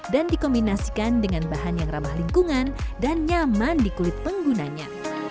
dan dikombinasikan dengan bahan yang ramah lingkungan dan nyaman di kulit penggunanya